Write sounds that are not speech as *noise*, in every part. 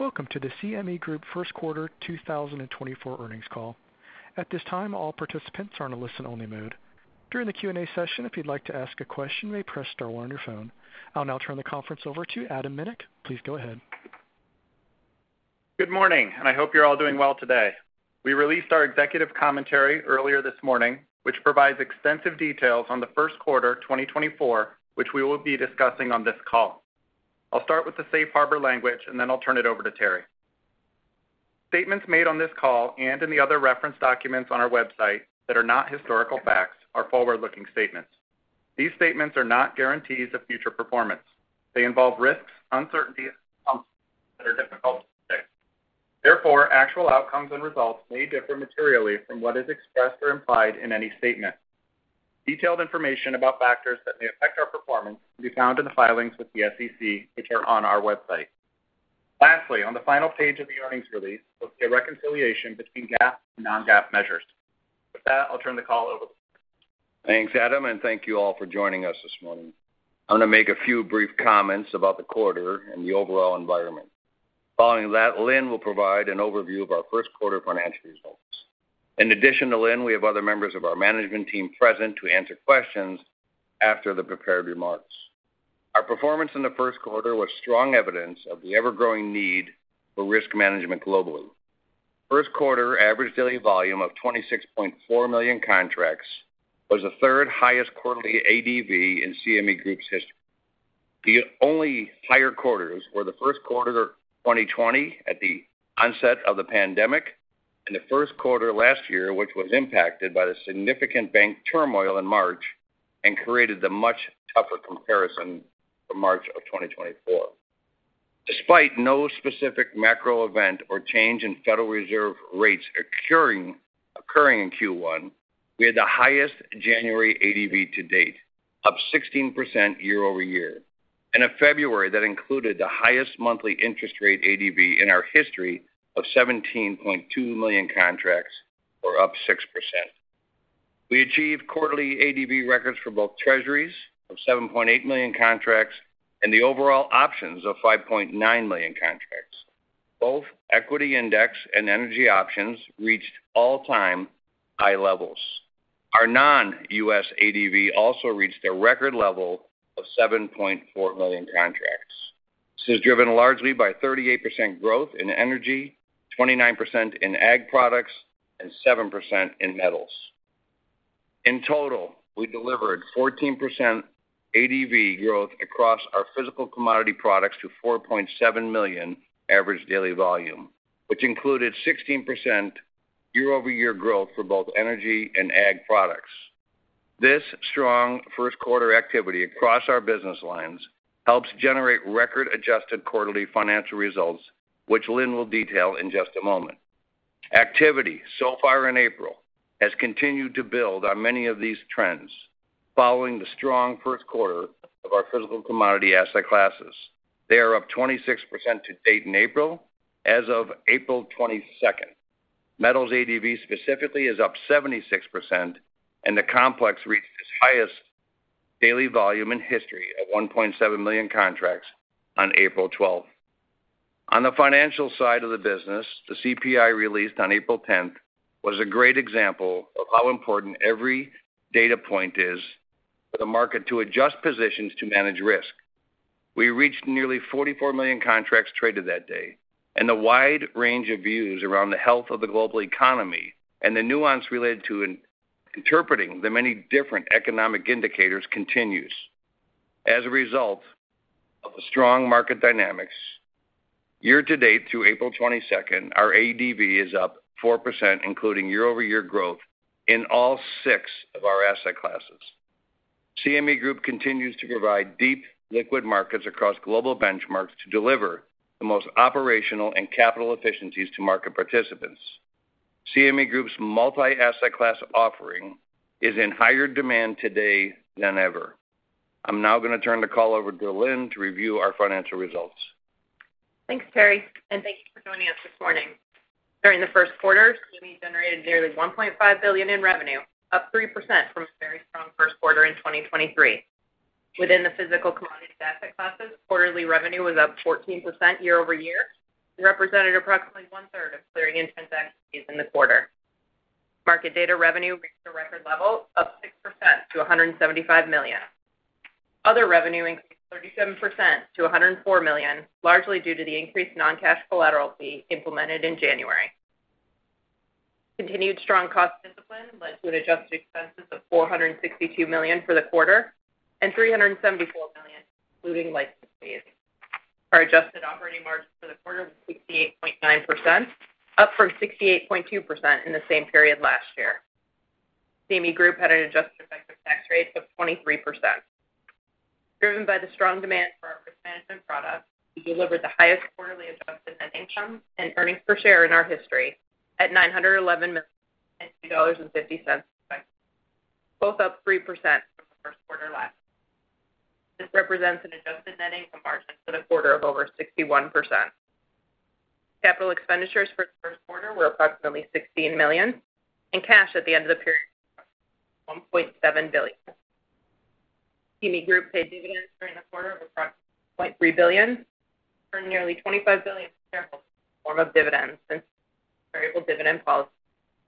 Welcome to the CME Group first quarter 2024 earnings call. At this time, all participants are in a listen-only mode. During the Q&A session, if you'd like to ask a question, you may press star one on your phone. I'll now turn the conference over to Adam Minick. Please go ahead. Good morning, and I hope you're all doing well today. We released our executive commentary earlier this morning, which provides extensive details on the first quarter, 2024, which we will be discussing on this call. I'll start with the safe harbor language, and then I'll turn it over to Terry. Statements made on this call and in the other reference documents on our website that are not historical facts are forward-looking statements. These statements are not guarantees of future performance. They involve risks, uncertainties, and assumptions that are difficult to predict. Therefore, actual outcomes and results may differ materially from what is expressed or implied in any statement. Detailed information about factors that may affect our performance can be found in the filings with the SEC, which are on our website. Lastly, on the final page of the earnings release, you'll see a reconciliation between GAAP and non-GAAP measures. With that, I'll turn the call over. Thanks, Adam, and thank you all for joining us this morning. I'm going to make a few brief comments about the quarter and the overall environment. Following that, Lynne will provide an overview of our first quarter financial results. In addition to Lynne, we have other members of our management team present to answer questions after the prepared remarks. Our performance in the first quarter was strong evidence of the ever-growing need for risk management globally. First quarter average daily volume of 26.4 million contracts was the third highest quarterly ADV in CME Group's history. The only higher quarters were the first quarter of 2020, at the onset of the pandemic, and the first quarter last year, which was impacted by the significant bank turmoil in March and created the much tougher comparison for March of 2024. Despite no specific macro event or change in Federal Reserve rates occurring in Q1, we had the highest January ADV to date, up 16% year-over-year, and a February that included the highest monthly interest rate ADV in our history of 17.2 million contracts, or up 6%. We achieved quarterly ADV records for both Treasuries of 7.8 million contracts and the overall options of 5.9 million contracts. Both equity index and energy options reached all-time high levels. Our non-US ADV also reached a record level of 7.4 million contracts. This is driven largely by 38% growth in energy, 29% in ag products, and 7% in metals. In total, we delivered 14% ADV growth across our physical commodity products to 4.7 million average daily volume, which included 16% year-over-year growth for both energy and ag products. This strong first quarter activity across our business lines helps generate record adjusted quarterly financial results, which Lynne will detail in just a moment. Activity so far in April has continued to build on many of these trends following the strong first quarter of our physical commodity asset classes. They are up 26% to date in April as of April 22. Metals ADV specifically is up 76%, and the complex reached its highest daily volume in history at 1.7 million contracts on April 12. On the financial side of the business, the CPI released on April 10 was a great example of how important every data point is for the market to adjust positions to manage risk. We reached nearly 44 million contracts traded that day, and the wide range of views around the health of the global economy and the nuance related to interpreting the many different economic indicators continues. As a result of the strong market dynamics, year-to-date through April 22, our ADV is up 4%, including year-over-year growth in all six of our asset classes. CME Group continues to provide deep, liquid markets across global benchmarks to deliver the most operational and capital efficiencies to market participants. CME Group's multi-asset class offering is in higher demand today than ever. I'm now going to turn the call over to Lynne to review our financial results. Thanks, Terry, and thank you for joining us this morning. During the first quarter, CME generated nearly $1.5 billion in revenue, up 3% from a very strong first quarter in 2023. Within the physical commodity asset classes, quarterly revenue was up 14% year-over-year and represented approximately 1/3 of clearing and transactions in the quarter. Market data revenue reached a record level, up 6% to $175 million. Other revenue increased 37% to $104 million, largely due to the increased non-cash collateral fee implemented in January. Continued strong cost discipline led to adjusted expenses of $462 million for the quarter and $374 million, including license fees. Our adjusted operating margin for the quarter was 68.9%, up from 68.2% in the same period last year. CME Group had an adjusted effective tax rate of 23%. Driven by the strong demand for our risk management products, we delivered the highest quarterly adjusted net income and earnings per share in our history at $911 million and $2.50, respectively, both up 3% from the first quarter last year. This represents an adjusted net income margin for the quarter of over 61%. Capital expenditures for the first quarter were approximately $16 million, and cash at the end of the period, $1.7 billion. CME Group paid dividends during the quarter of approximately $0.3 billion, earned nearly $25 billion in the form of dividends since variable dividend policy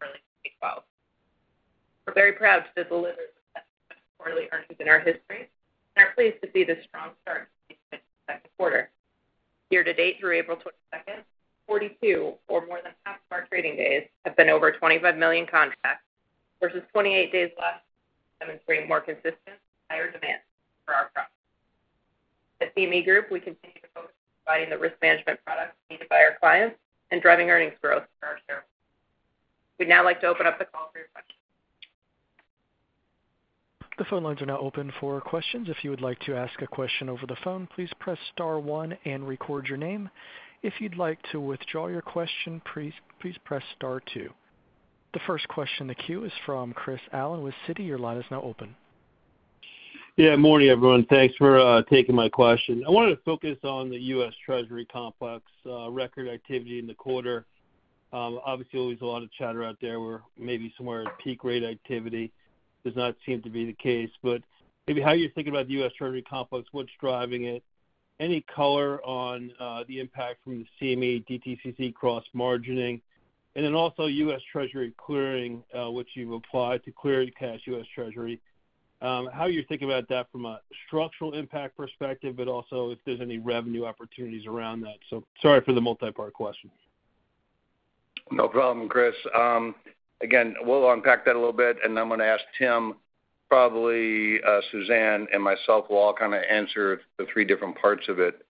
early 2022. We're very proud to have delivered the best quarterly earnings in our history, and are pleased to see the strong start to the second quarter. Year to date, through April 22nd, 42 or more than half of our trading days have been over 25 million contracts, versus 28 days left, demonstrating more consistent, higher demand for our products. At CME Group, we continue to focus on providing the risk management products needed by our clients and driving earnings growth for our shareholders. We'd now like to open up the call for your questions. The phone lines are now open for questions. If you would like to ask a question over the phone, please press star one and record your name. If you'd like to withdraw your question, please press star two. The first question in the queue is from Chris Allen with Citi. Your line is now open. Yeah, morning, everyone. Thanks for taking my question. I wanted to focus on the US Treasury complex, record activity in the quarter. Obviously, there's a lot of chatter out there, where maybe somewhere at peak rate activity, does not seem to be the case. But maybe how you think about the US Treasury complex, what's driving it? Any color on the impact from the CME DTCC cross-margining? And then also, U.S. Treasury clearing, which you've applied to clearing cash US Treasury, how you think about that from a structural impact perspective, but also if there's any revenue opportunities around that? So sorry for the multipart question. No problem, Chris. Again, we'll unpack that a little bit, and then I'm gonna ask Tim, probably, Suzanne and myself will all kind of answer the three different parts of it.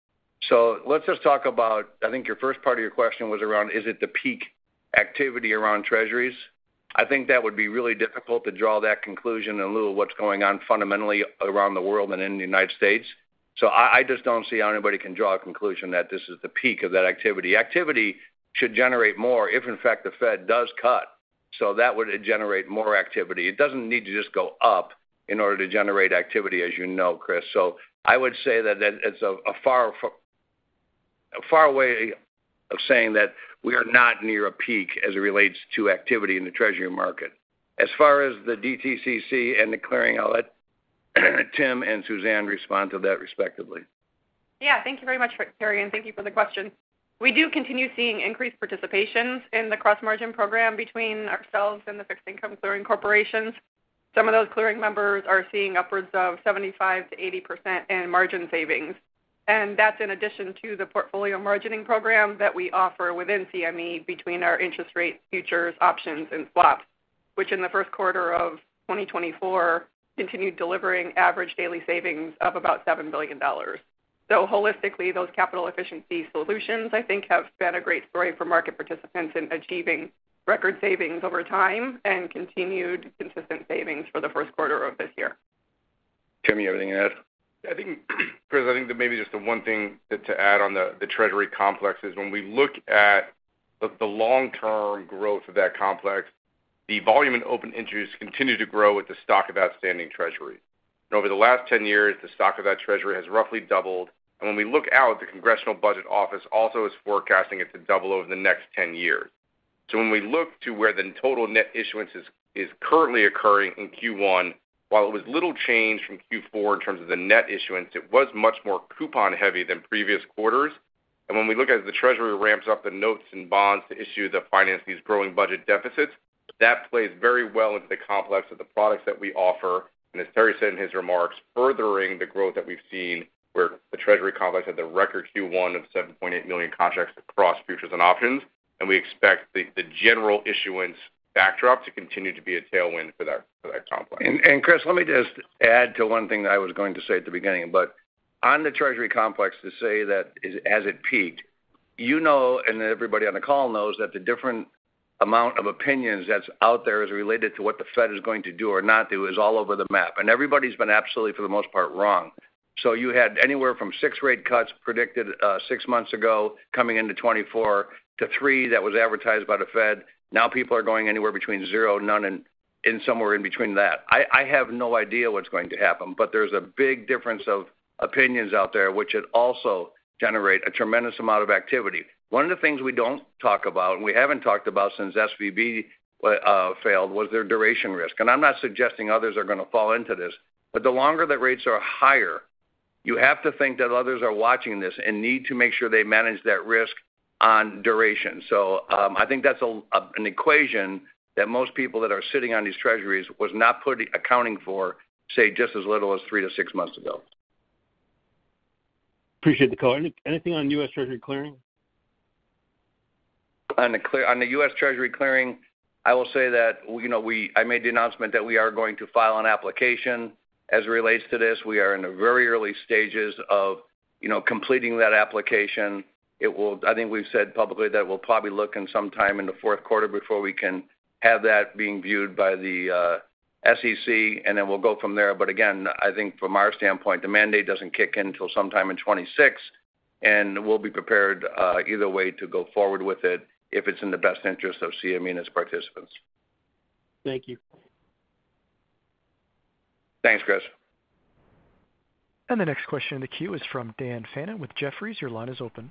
So let's just talk about... I think your first part of your question was around, is it the peak activity around Treasuries? I think that would be really difficult to draw that conclusion in lieu of what's going on fundamentally around the world and in the United States. So I just don't see how anybody can draw a conclusion that this is the peak of that activity. Activity should generate more, if in fact, the Fed does cut, so that would generate more activity. It doesn't need to just go up in order to generate activity, as you know, Chris. So I would say that it's a far way of saying that we are not near a peak as it relates to activity in the Treasury market. As far as the DTCC and the clearing, I'll let Tim and Suzanne respond to that, respectively. Yeah, thank you very much, Terry, and thank you for the question. We do continue seeing increased participation in the cross margin program between ourselves and the fixed income clearing corporations. Some of those clearing members are seeing upwards of 75%-80% in margin savings, and that's in addition to the portfolio margining program that we offer within CME between our interest rates, futures, options, and swaps, which in the first quarter of 2024, continued delivering average daily savings of about $7 billion. So holistically, those capital efficiency solutions, I think, have been a great story for market participants in achieving record savings over time and continued consistent savings for the first quarter of this year. Tim, you have anything to add? I think, Chris, I think that maybe just the one thing to add on the Treasury complex is, when we look at the long-term growth of that complex, the volume in open interest continue to grow with the stock of outstanding Treasury. And over the last 10 years, the stock of that Treasury has roughly doubled, and when we look out, the Congressional Budget Office also is forecasting it to double over the next 10 years. So when we look to where the total net issuance is currently occurring in Q1, while it was little change from Q4 in terms of the net issuance, it was much more coupon-heavy than previous quarters. When we look at the Treasury ramps up the notes and bonds to issue to finance these growing budget deficits, that plays very well into the complex of the products that we offer, and as Terry said in his remarks, furthering the growth that we've seen, where the Treasury complex had the record Q1 of 7.8 million contracts across futures and options, and we expect the general issuance backdrop to continue to be a tailwind for that complex. Chris, let me just add to one thing that I was going to say at the beginning, but on the Treasury complex, to say that it, as it peaked, you know and everybody on the call knows, that the different amount of opinions that's out there as related to what the Fed is going to do or not do is all over the map, and everybody's been absolutely, for the most part, wrong. So you had anywhere from six rate cuts predicted six months ago, coming into 2024, to three that was advertised by the Fed. Now, people are going anywhere between zero, none, and somewhere in between that. I have no idea what's going to happen, but there's a big difference of opinions out there, which should also generate a tremendous amount of activity. One of the things we don't talk about, and we haven't talked about since SVB failed, was their duration risk. And I'm not suggesting others are gonna fall into this, but the longer that rates are higher, you have to think that others are watching this and need to make sure they manage that risk on duration. So, I think that's an equation that most people that are sitting on these Treasuries was not putting accounting for, say, just as little as three-to-six months ago. Appreciate the call. Anything on U.S. Treasury clearing? On the US Treasury clearing, I will say that, you know, I made the announcement that we are going to file an application. As it relates to this, we are in the very early stages of, you know, completing that application. It will, I think, we've said publicly that we'll probably look in sometime in the fourth quarter before we can have that being viewed by the SEC, and then we'll go from there, but again, I think from our standpoint, the mandate doesn't kick in until sometime in 2026, and we'll be prepared either way to go forward with it if it's in the best interest of CME and its participants. Thank you. Thanks, Chris. The next question in the queue is from Dan Fannon with Jefferies. Your line is open.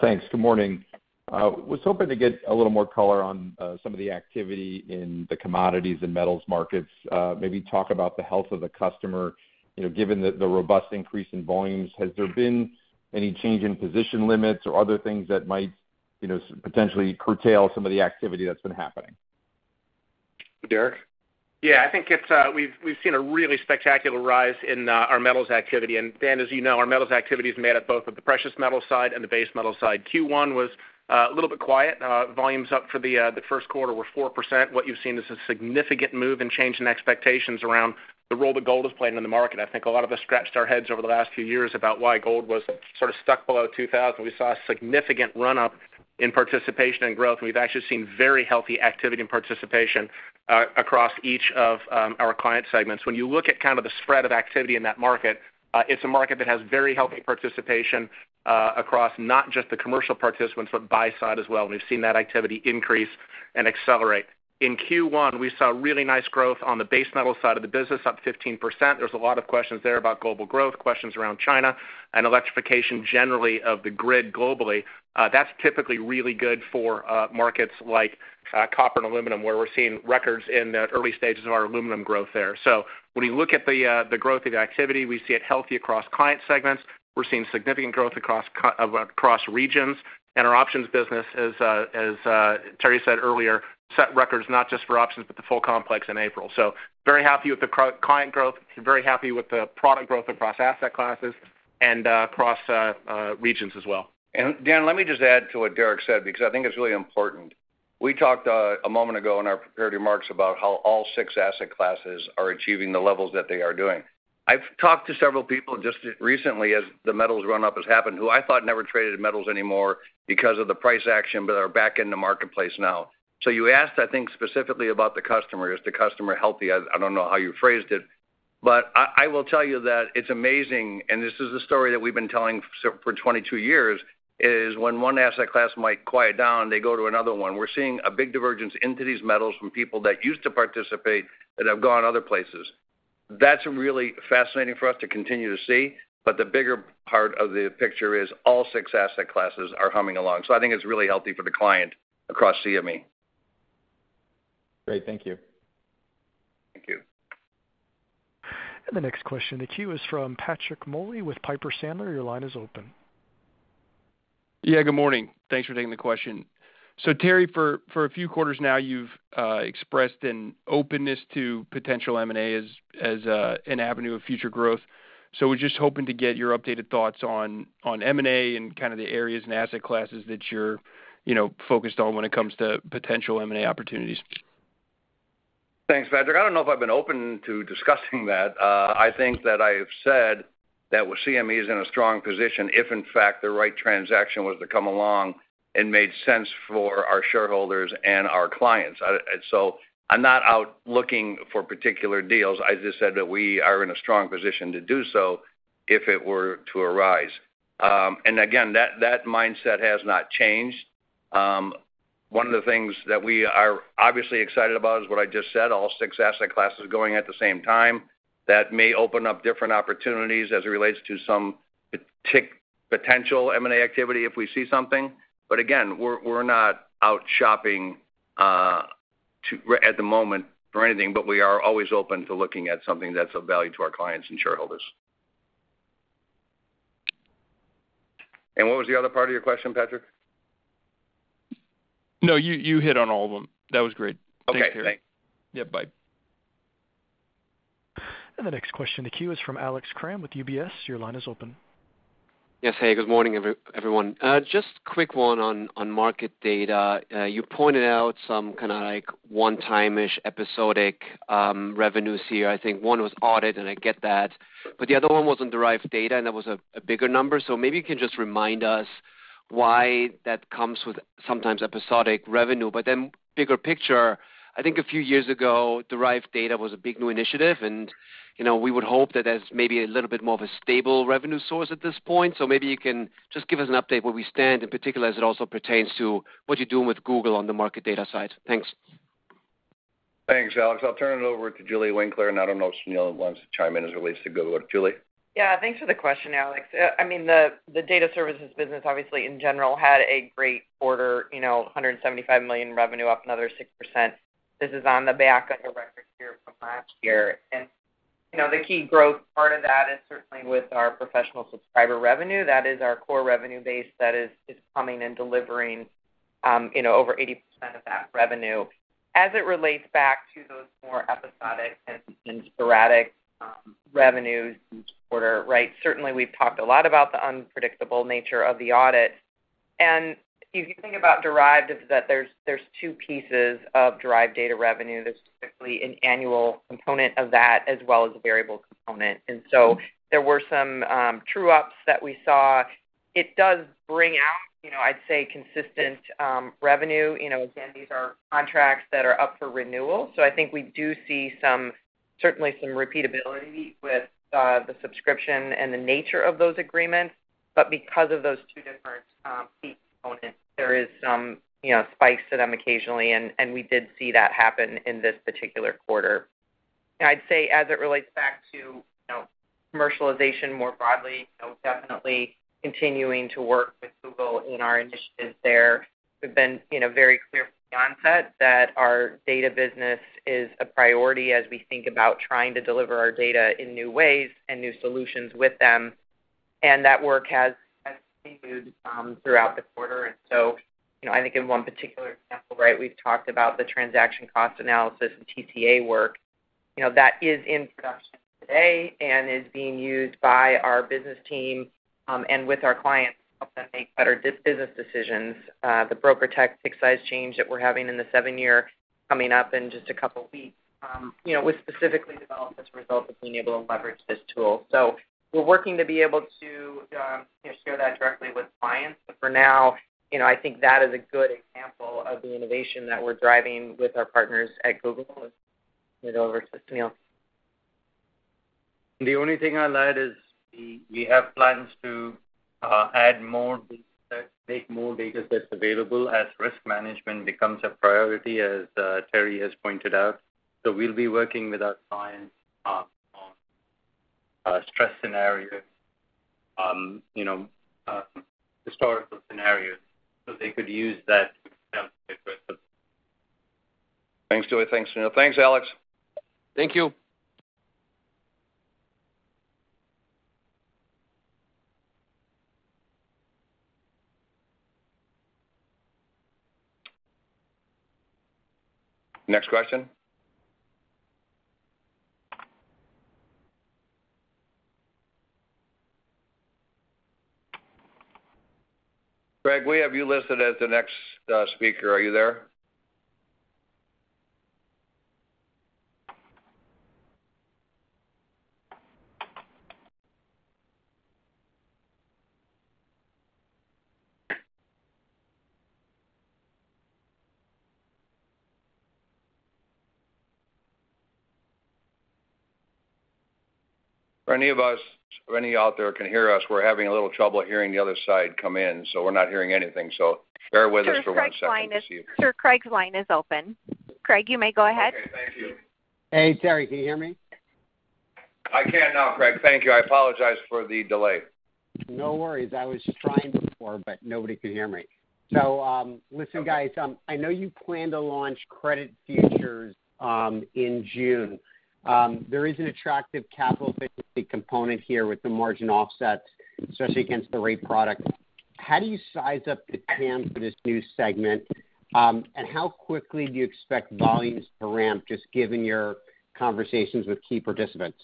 Thanks. Good morning. Was hoping to get a little more color on some of the activity in the commodities and metals markets. Maybe talk about the health of the customer. You know, given the robust increase in volumes, has there been any change in position limits or other things that might, you know, potentially curtail some of the activity that's been happening? Derek? Yeah, I think it's, we've, we've seen a really spectacular rise in, our metals activity. And Dan, as you know, our metals activity is made up both of the precious metal side and the base metal side. Q1 was, a little bit quiet. Volumes up for the, the first quarter were 4%. What you've seen is a significant move and change in expectations around the role that gold is playing in the market. I think a lot of us scratched our heads over the last few years about why gold was sort of stuck below 2,000. We saw a significant run-up in participation and growth, and we've actually seen very healthy activity and participation, across each of, our client segments. When you look at kind of the spread of activity in that market, it's a market that has very healthy participation across not just the commercial participants, but buy side as well, and we've seen that activity increase and accelerate. In Q1, we saw really nice growth on the base metal side of the business, up 15%. There's a lot of questions there about global growth, questions around China and electrification, generally, of the grid globally. That's typically really good for markets like copper and aluminum, where we're seeing records in the early stages of our aluminum growth there. So when you look at the growth of the activity, we see it healthy across client segments. We're seeing significant growth across regions, and our options business, as Terry said earlier, set records not just for options, but the full complex in April. So very happy with the client growth, very happy with the product growth across asset classes and across regions as well. And Dan, let me just add to what Derek said, because I think it's really important. We talked a moment ago in our prepared remarks about how all six asset classes are achieving the levels that they are doing. I've talked to several people just recently, as the metals run-up has happened, who I thought never traded metals anymore because of the price action, but are back in the marketplace now. So you asked, I think, specifically about the customer, is the customer healthy? I don't know how you phrased it, but I will tell you that it's amazing, and this is a story that we've been telling for 22 years, is when one asset class might quiet down, they go to another one. We're seeing a big divergence into these metals from people that used to participate and have gone other places. That's really fascinating for us to continue to see, but the bigger part of the picture is all six asset classes are humming along. So I think it's really healthy for the client across CME. Great. Thank you. Thank you. The next question in the queue is from Patrick Moley with Piper Sandler. Your line is open. Yeah, good morning. Thanks for taking the question. So Terry, for a few quarters now, you've expressed an openness to potential M&A as an avenue of future growth. So we're just hoping to get your updated thoughts on M&A and kind of the areas and asset classes that you're, you know, focused on when it comes to potential M&A opportunities. Thanks, Patrick. I don't know if I've been open to discussing that. I think that I have said that, well, CME is in a strong position, if in fact, the right transaction was to come along and made sense for our shareholders and our clients. I, so I'm not out looking for particular deals. I just said that we are in a strong position to do so if it were to arise. And again, that, that mindset has not changed. One of the things that we are obviously excited about is what I just said, all six asset classes going at the same time. That may open up different opportunities as it relates to some potential M&A activity, if we see something. But again, we're, we're not out shopping, to... At the moment for anything, but we are always open to looking at something that's of value to our clients and shareholders. And what was the other part of your question, Patrick? No, you hit on all of them. That was great. Okay, thanks. Yeah, bye. The next question in the queue is from Alex Kramm with UBS. Your line is open. Yes. Hey, good morning, everyone. Just quick one on market data. You pointed out some kind of like one-time-ish episodic revenues here. I think one was audit, and I get that, but the other one was on derived data, and that was a bigger number. So maybe you can just remind us why that comes with sometimes episodic revenue. But then bigger picture, I think a few years ago, derived data was a big new initiative, and, you know, we would hope that that's maybe a little bit more of a stable revenue source at this point. So maybe you can just give us an update where we stand, in particular, as it also pertains to what you're doing with Google on the market data side. Thanks. Thanks, Alex. I'll turn it over to Julie Winkler, and I don't know if Sunil wants to chime in as it relates to Google. Julie? Yeah, thanks for the question, Alex. I mean, the data services business, obviously, in general, had a great quarter, you know, $175 million revenue, up another 6%. This is on the back of a record year from last year. And, you know, the key growth part of that is certainly with our professional subscriber revenue. That is our core revenue base that is coming and delivering, you know, over 80% of that revenue. As it relates back to those more episodic and sporadic revenues in quarter, right? Certainly, we've talked a lot about the unpredictable nature of the audit. And if you think about derived data, is that there's two pieces of derived data revenue. There's specifically an annual component of that, as well as a variable component. And so there were some true-ups that we saw. It does bring out, you know, I'd say, consistent, revenue. You know, again, these are contracts that are up for renewal, so I think we do see some, certainly some repeatability with, the subscription and the nature of those agreements. But because of those two different, you know, spikes to them occasionally, and we did see that happen in this particular quarter. And I'd say as it relates back to, you know, commercialization more broadly, you know, definitely continuing to work with Google in our initiatives there. We've been, you know, very clear from the onset that our data business is a priority as we think about trying to deliver our data in new ways and new solutions with them. And that work has continued throughout the quarter. And so, you know, I think in one particular example, right, we've talked about the transaction cost analysis and TCA work. You know, that is in production today and is being used by our business team, and with our clients to help them make better business decisions. The BrokerTec tick size change that we're having in the 7-year, coming up in just a couple weeks, you know, was specifically developed as a result of being able to leverage this tool. So we're working to be able to, you know, share that directly with clients. But for now, you know, I think that is a good example of the innovation that we're driving with our partners at Google. I'll hand it over to Sunil. The only thing I'll add is we have plans to add more data sets, make more data sets available as risk management becomes a priority, as Terry has pointed out. So we'll be working with our clients on stress scenarios, you know, historical scenarios, so they could use that to evaluate risks. Thanks, Joey. Thanks, Sunil. Thanks, Alex. Thank you. Next question? Craig, we have you listed as the next speaker. Are you there? If any of us, if any out there can hear us, we're having a little trouble hearing the other side come in, so we're not hearing anything. So bear with us for one second this evening. Sir, Craig's line is open. Craig, you may go ahead. Okay, thank you. Hey, Terry, can you hear me? I can now, Craig. Thank you. I apologize for the delay. No worries. I was trying before, but nobody could hear me. So, listen, guys, I know you plan to launch credit futures in June. There is an attractive capital efficiency component here with the margin offsets, especially against the rate product. How do you size up the TAM for this new segment? And how quickly do you expect volumes to ramp, just given your conversations with key participants?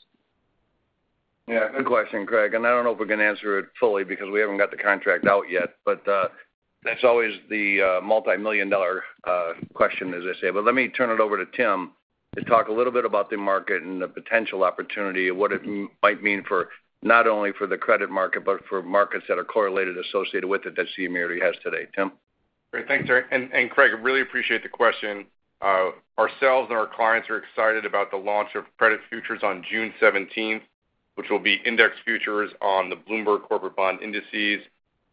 Yeah, good question, Craig. And I don't know if we're going to answer it fully because we haven't got the contract out yet. But, that's always the multimillion-dollar question, as they say. But let me turn it over to Tim to talk a little bit about the market and the potential opportunity and what it might mean for, not only for the credit market, but for markets that are correlated, associated with it, that CME already has today. Tim? Great. Thanks, Terry. And, Craig, I really appreciate the question. Ourselves and our clients are excited about the launch of credit futures on June 17, which will be index futures on the Bloomberg Corporate Bond Indices.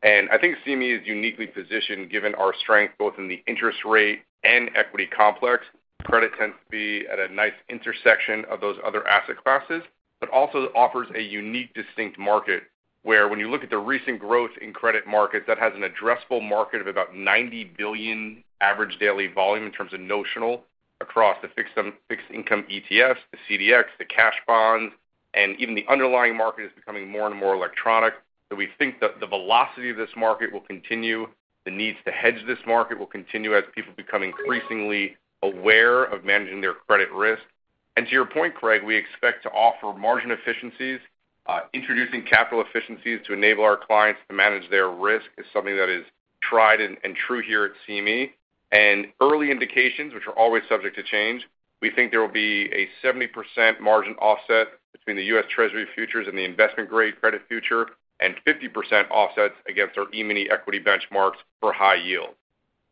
And I think CME is uniquely positioned, given our strength, both in the interest rate and equity complex. Credit tends to be at a nice intersection of those other asset classes, but also offers a unique, distinct market, where when you look at the recent growth in credit markets, that has an addressable market of about $90 billion average daily volume in terms of notional across the fixed income ETFs, the CDX, the cash bonds, and even the underlying market is becoming more and more electronic. So we think that the velocity of this market will continue. The needs to hedge this market will continue as people become increasingly aware of managing their credit risk. And to your point, Craig, we expect to offer margin efficiencies. Introducing capital efficiencies to enable our clients to manage their risk is something that is tried and true here at CME. And early indications, which are always subject to change, we think there will be a 70% margin offset between the U.S. Treasury futures and the investment-grade credit future, and 50% offsets against our E-mini equity benchmarks for high yield.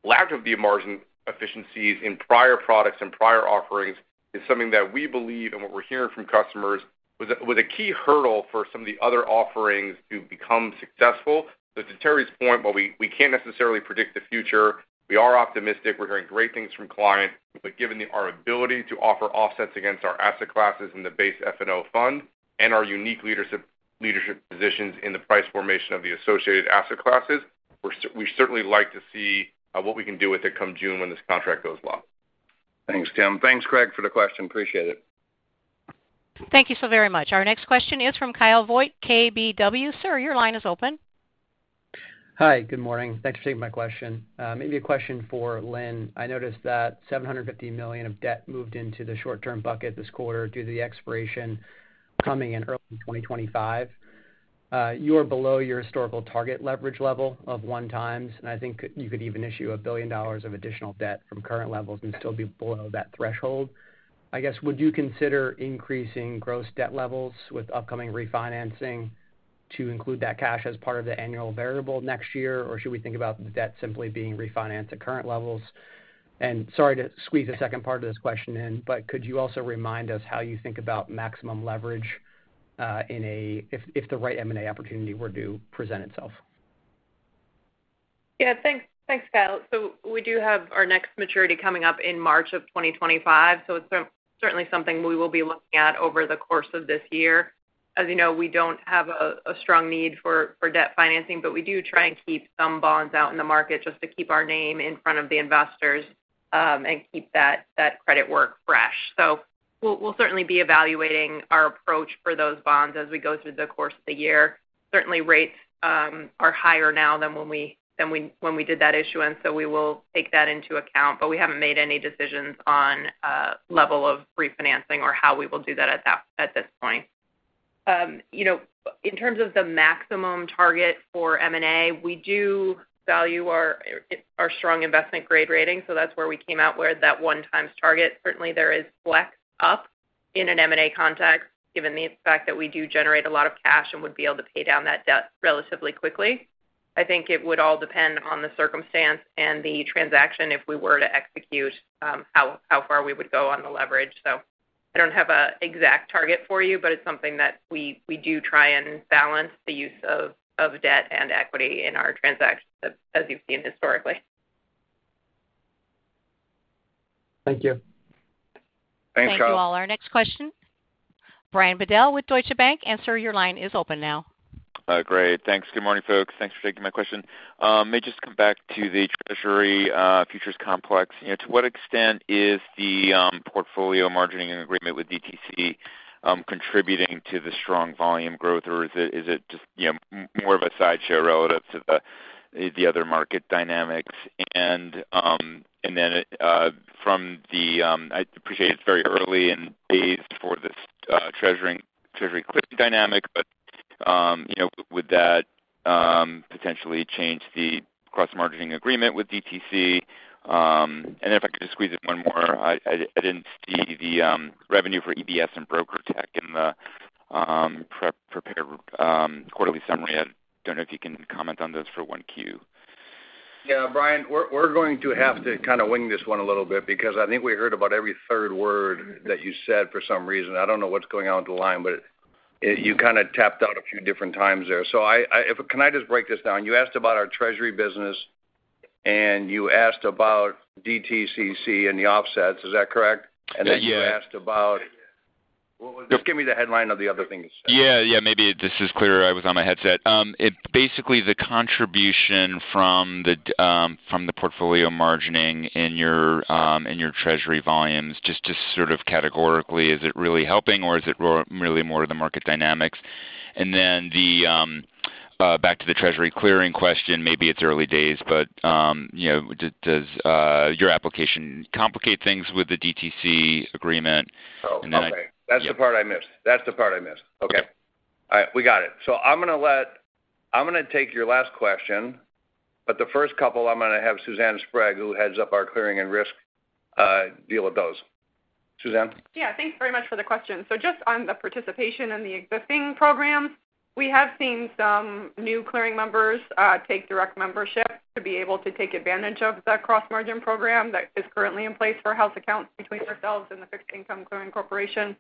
Lack of the margin efficiencies in prior products and prior offerings is something that we believe, and what we're hearing from customers, was a key hurdle for some of the other offerings to become successful. But to Terry's point, while we can't necessarily predict the future, we are optimistic. We're hearing great things from clients. But given our ability to offer offsets against our asset classes in the base F&O fund and our unique leadership positions in the price formation of the associated asset classes, we're certainly like to see what we can do with it come June when this contract goes well. Thanks, Tim. Thanks, Craig, for the question. Appreciate it. Thank you so very much. Our next question is from Kyle Voigt, KBW. Sir, your line is open. Hi, good morning. Thanks for taking my question. Maybe a question for Lynne. I noticed that $750 million of debt moved into the short-term bucket this quarter due to the expiration coming in early 2025. You are below your historical target leverage level of 1x, and I think you could even issue $1 billion of additional debt from current levels and still be below that threshold. I guess, would you consider increasing gross debt levels with upcoming refinancing to include that cash as part of the annual variable next year? Or should we think about the debt simply being refinanced at current levels? And sorry to squeeze a second part of this question in, but could you also remind us how you think about maximum leverage if the right M&A opportunity were to present itself? Yeah, thanks. Thanks, Kyle. So we do have our next maturity coming up in March 2025, so it's certainly something we will be looking at over the course of this year. As you know, we don't have a strong need for debt financing, but we do try and keep some bonds out in the market just to keep our name in front of the investors, and keep that credit work fresh. So we'll certainly be evaluating our approach for those bonds as we go through the course of the year. Certainly, rates are higher now than when we did that issuance, so we will take that into account, but we haven't made any decisions on level of refinancing or how we will do that at this point. You know, in terms of the maximum target for M&A, we do value our, our strong investment grade rating, so that's where we came out with that 1x target. Certainly, there is flex up in an M&A context, given the fact that we do generate a lot of cash and would be able to pay down that debt relatively quickly. I think it would all depend on the circumstance and the transaction if we were to execute, how, how far we would go on the leverage. So I don't have a exact target for you, but it's something that we, we do try and balance the use of, of debt and equity in our transactions, as, as you've seen historically. Thank you. Thanks, Kyle. Thank you, all. Our next question, Brian Bedell with Deutsche Bank. Sir, your line is open now. Great. Thanks. Good morning, folks. Thanks for taking my question. May just come back to the Treasury futures complex. You know, to what extent is the portfolio margining agreement with DTCC contributing to the strong volume growth, or is it just, you know, more of a sideshow relative to the other market dynamics? And then, from the... I appreciate it's very early in days for this treasury clearing dynamic, but you know, would that potentially change the cross margining agreement with DTCC? And if I could just squeeze in one more, I didn't see the revenue for EBS and BrokerTec in the prepared quarterly summary. I don't know if you can comment on those for 1Q. Yeah, Brian, we're going to have to kind of wing this one a little bit because I think we heard about every third word that you said for some reason. I don't know what's going on with the line, but it, you kind of tapped out a few different times there. So, can I just break this down? You asked about our treasury business, and you asked about DTCC and the offsets. Is that correct? Yeah. Then you asked about... Well, just give me the headline of the other thing you said. Yeah, yeah, maybe this is clearer. I was on my headset. It basically, the contribution from the Portfolio Margining in your Treasury volumes, just sort of categorically, is it really helping or is it more really more of the market dynamics? And then back to the Treasury clearing question, maybe it's early days, but you know, does your application complicate things with the DTCC agreement? Oh, okay. And then- That's the part I missed. That's the part I missed. Okay. All right, we got it. So I'm gonna let-- I'm gonna take your last question, but the first couple, I'm gonna have Suzanne Sprague, who heads up our clearing and risk, deal with those. Suzanne? Yeah, thanks very much for the question. So just on the participation in the existing programs, we have seen some new clearing members, take direct membership to be able to take advantage of the cross-margin program that is currently in place for house accounts between ourselves and the Fixed Income Clearing Corporation.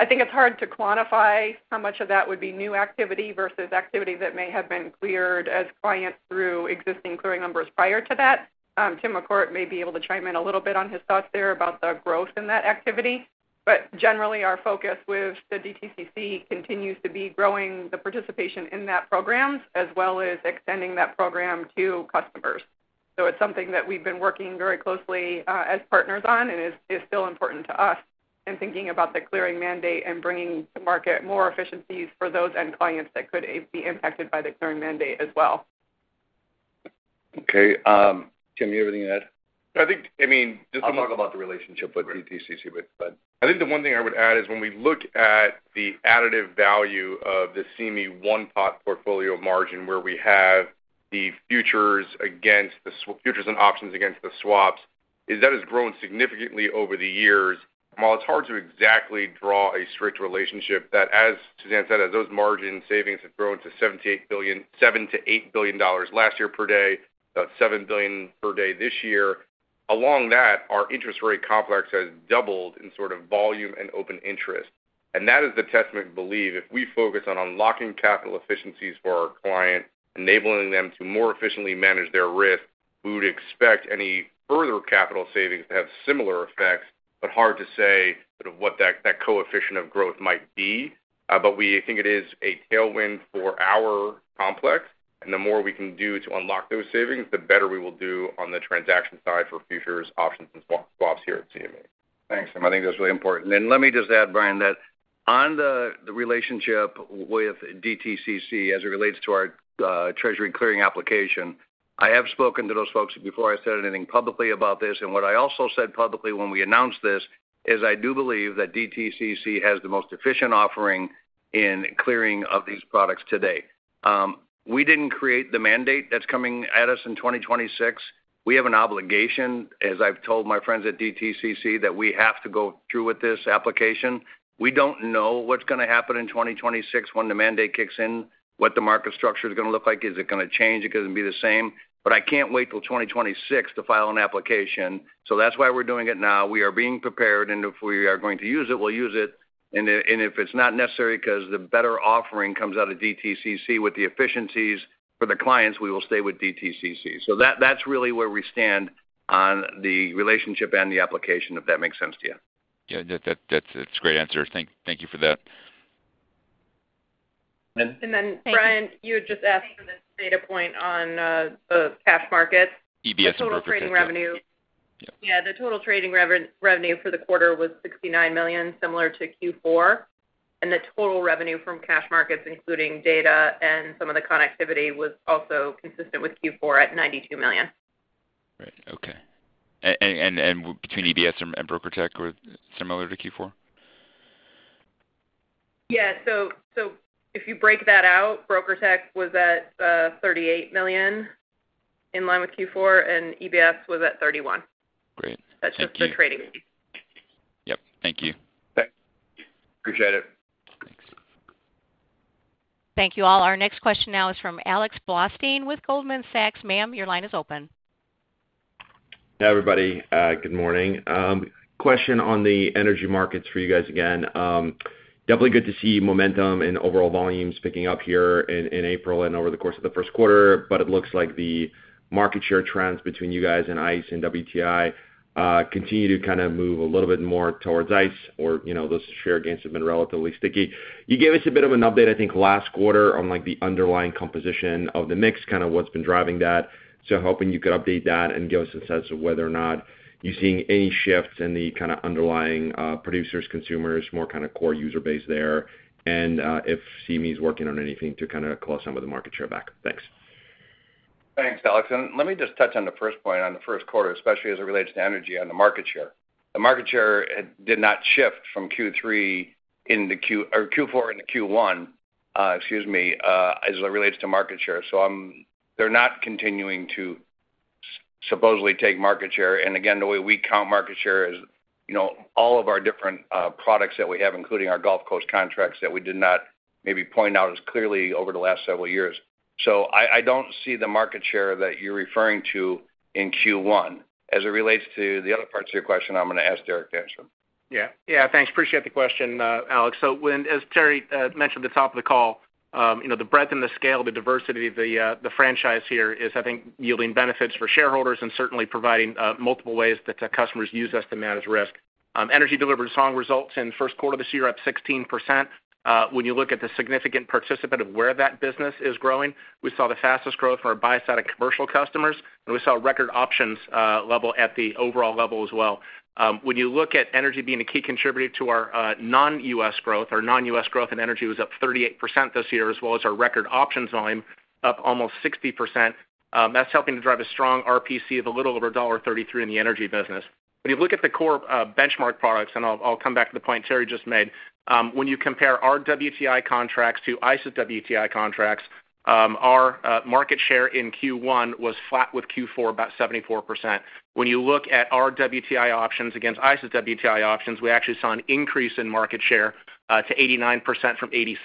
I think it's hard to quantify how much of that would be new activity versus activity that may have been cleared as clients through existing clearing numbers prior to that. Tim McCourt may be able to chime in a little bit on his thoughts there about the growth in that activity. But generally, our focus with the DTCC continues to be growing the participation in that program, as well as extending that program to customers. So it's something that we've been working very closely as partners on, and is still important to us in thinking about the clearing mandate and bringing to market more efficiencies for those end clients that could be impacted by the clearing mandate as well. Okay, Tim, you have anything to add? I think, I mean, just- I'll talk about the relationship with DTCC, but. I think the one thing I would add is when we look at the additive value of the CME one-pot portfolio margin, where we have the futures against the swap futures and options against the swaps, is that has grown significantly over the years. While it's hard to exactly draw a strict relationship, that as Suzanne said, as those margin savings have grown to $7 billion to $8 billion last year per day, about $7 billion per day this year, along that, our interest rate complex has doubled in sort of volume and open interest. And that is the testament to believe if we focus on unlocking capital efficiencies for our clients, enabling them to more efficiently manage their risk, we would expect any further capital savings to have similar effects, but hard to say sort of what that, that coefficient of growth might be. But we think it is a tailwind for our complex, and the more we can do to unlock those savings, the better we will do on the transaction side for futures, options, and swaps here at CME. Thanks, Tim. I think that's really important. And let me just add, Brian, that on the, the relationship with DTCC as it relates to our treasury clearing application, I have spoken to those folks before I said anything publicly about this. And what I also said publicly when we announced this, is I do believe that DTCC has the most efficient offering in clearing of these products today. We didn't create the mandate that's coming at us in 2026. We have an obligation, as I've told my friends at DTCC, that we have to go through with this application. We don't know what's gonna happen in 2026 when the mandate kicks in, what the market structure is gonna look like. Is it gonna change? Is it gonna be the same? But I can't wait till 2026 to file an application, so that's why we're doing it now. We are being prepared, and if we are going to use it, we'll use it. And if it's not necessary, 'cause the better offering comes out of DTCC with the efficiencies for the clients, we will stay with DTCC. So that, that's really where we stand on the relationship and the application, if that makes sense to you. Yeah, that's a great answer. Thank you for that. And then, Brian, you had just asked for this data point on the cash market. EBS and BrokerTec. The total trading revenue. Yeah, the total trading revenue for the quarter was $69 million, similar to Q4, and the total revenue from cash markets, including data and some of the connectivity, was also consistent with Q4 at $92 million. Right. Okay. And between EBS and BrokerTec were similar to Q4? Yeah, so if you break that out, BrokerTec was at $38 million, in line with Q4, and EBS was at $31 million. Great. Thank you. That's just for trading. Yep, thank you. Okay. Appreciate it. Thanks. Thank you, all. Our next question now is from Alex Blostein with Goldman Sachs. Maan, your line is open. Hey, everybody, good morning. Question on the energy markets for you guys again. Definitely good to see momentum and overall volumes picking up here in April and over the course of the first quarter, but it looks like the market share trends between you guys and ICE and WTI continue to kind of move a little bit more towards ICE or, you know, those share gains have been relatively sticky. You gave us a bit of an update, I think, last quarter on, like, the underlying composition of the mix, kind of what's been driving that. Hoping you could update that and give us a sense of whether or not you're seeing any shifts in the kind of underlying producers, consumers, more kind of core user base there, and if CME's working on anything to kind of claw some of the market share back. Thanks. Thanks, Alex, and let me just touch on the first point on the first quarter, especially as it relates to energy on the market share. The market share did not shift from Q3 into Q4 or Q1, excuse me, as it relates to market share. So they're not continuing to supposedly take market share. And again, the way we count market share is, you know, all of our different products that we have, including our Gulf Coast contracts, that we did not maybe point out as clearly over the last several years. So I don't see the market share that you're referring to in Q1. As it relates to the other parts of your question, I'm going to ask Derek to answer them. Yeah. Yeah, thanks. Appreciate the question, Alex. So as Terry mentioned at the top of the call, you know, the breadth and the scale, the diversity of the franchise here is, I think, yielding benefits for shareholders and certainly providing multiple ways that the customers use us to manage risk. Energy delivered strong results in the first quarter of this year, up 16%. When you look at the significant participant of where that business is growing, we saw the fastest growth on our buy-side of commercial customers, and we saw record options level at the overall level as well. When you look at energy being a key contributor to our non-US growth, our non-US growth in energy was up 38% this year, as well as our record options volume, up almost 60%. That's helping to drive a strong RPC of a little over $1.33 in the energy business. When you look at the core benchmark products, and I'll come back to the point Terry just made, when you compare our WTI contracts to ICE's WTI contracts, our market share in Q1 was flat with Q4, about 74%. When you look at our WTI options against ICE's WTI options, we actually saw an increase in market share to 89% from 86%.